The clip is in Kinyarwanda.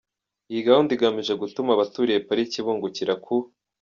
iyi gahunda igamije gutuma abaturiye pariki bungukira ku